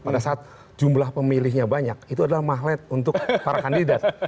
pada saat jumlah pemilihnya banyak itu adalah magnet untuk para kandidat